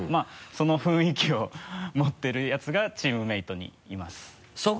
その雰囲気を持ってるヤツがチームメートにいます。